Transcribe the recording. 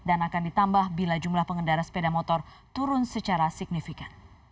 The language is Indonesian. dan akan ditambah bila jumlah pengendara sepeda motor turun secara signifikan